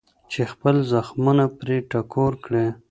چې خپل زخمونه پرې ټکور کړي.